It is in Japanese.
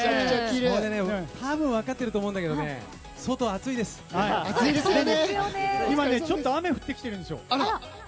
たぶん分ってると思うんだけど今、ちょっと雨、降ってきているんですよ。